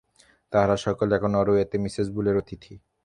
তাঁরা সকলে এখন নরওয়েতে মিসেস বুলের অতিথি।